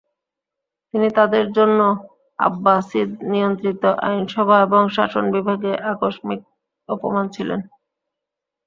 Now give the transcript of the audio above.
তিনি তাদের জন্য আব্বাসিদ নিয়ন্ত্রিত আইনসভা এবং শাসনবিভাগে আকস্মিক অপমান ছিলেন।